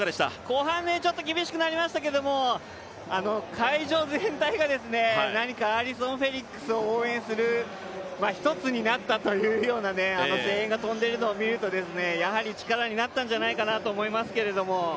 後半厳しくなりましたけど会場全体が何かアリソン・フェリックスを応援する一つになったというような声援が飛んでいるのを見るとやはり、力になったんじゃないかなと思いますけど。